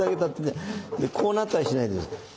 こうなったりしないで。